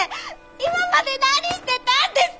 今まで何してたんですか！